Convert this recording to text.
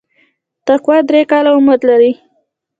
تقوا درې کاله عمر لري.